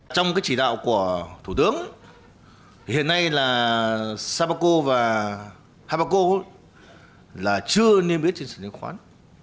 trong cái chỉ đạo của thủ tướng hiện nay là sapeco và hepeco là chưa niêm yết trên sản liên khoán